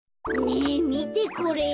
ねえみてこれ。